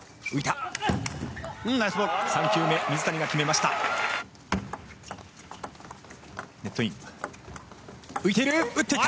３球目、水谷が決めました。